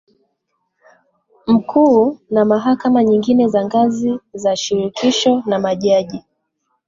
Mkuu na mahakama nyingine za ngazi za shirikisho na majaji